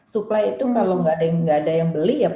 supply itu kalau gak ada yang beli